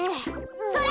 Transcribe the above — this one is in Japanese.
それ！